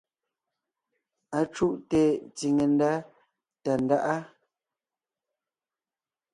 Acùʼte tsiŋe ndá Tàndáʼa.